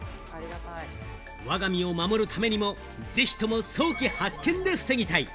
我が身を守るためにもぜひとも早期発見で防ぎたい。